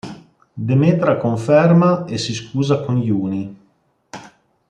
Demetra conferma e si scusa con Juni.